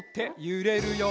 ゆれるよ。